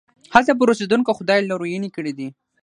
هلته پر اوسېدونکو خدای لورينې کړي دي.